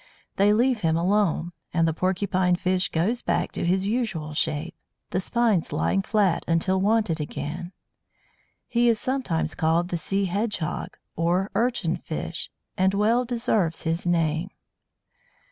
They leave him alone; and the Porcupine fish goes back to his usual shape, the spines lying flat until wanted again. He is sometimes called the Sea hedgehog or Urchin fish, and well deserves his name.